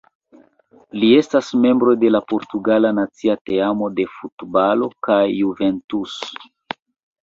Li estas membro de la portugala nacia teamo de futbalo kaj Juventus.